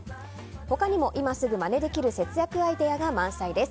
他にも、今すぐまねできる節約アイデアが満載です。